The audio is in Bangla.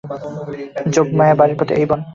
যোগমায়ার বাড়ির পথে এই বন।